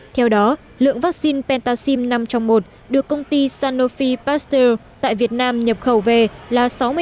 theo đó lượng vaccine pentaxim năm trong một được công ty sanofi pasteur tại việt nam nhập khẩu về là